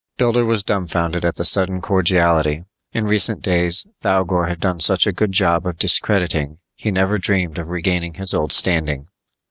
Builder was dumbfounded at the sudden cordiality. In recent days, Thougor had done such a good job of discrediting, he never dreamed of regaining his old standing.